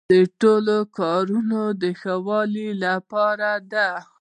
دوی ټول د کارونو د ښه والي لپاره دي.